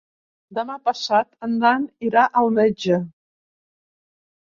Demà passat en Dan irà al metge.